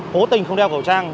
hố tình không đeo khẩu trang